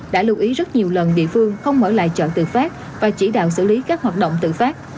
đã lưu ý rất nhiều lần địa phương không mở lại chọn tự phát và chỉ đạo xử lý các hoạt động tự phát